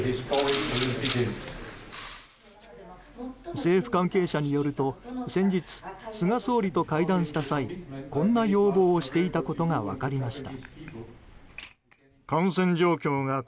政府関係者によると先日、菅総理と会談した際こんな要望をしていたことが分かりました。